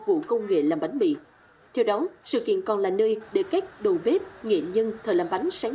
vụ công nghệ làm bánh mì theo đó sự kiện còn là nơi để các đầu bếp nghệ nhân thợ làm bánh sáng